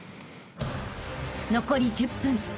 ［残り１０分］